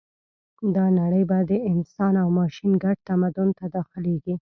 دا نړۍ به د انسان او ماشین ګډ تمدن ته داخلېږي